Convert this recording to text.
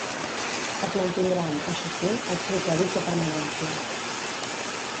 Es mantindran, això sí, els criteris de permanència.